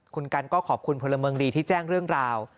คุณกันก็ขอบคุณพลเมืองดีที่แจ้งเรื่องราว